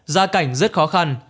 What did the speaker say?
gia cảnh rất khó khăn